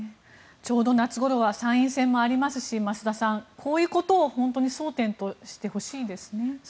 ちょうど夏ごろは参院選もありますし増田さん、こういうことを争点としてほしいですね。